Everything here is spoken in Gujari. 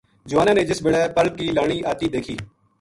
جواناں نے جس بیلے پل کی لانی آتی دیکھی